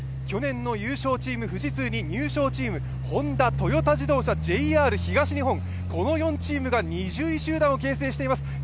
去年の優勝チーム、富士通に入賞チーム、Ｈｏｎｄａトヨタ自動車、ＪＲ東日本の４チームが２０位集団を形成しています。